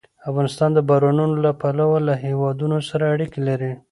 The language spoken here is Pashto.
افغانستان د بارانونو له پلوه له هېوادونو سره اړیکې لري.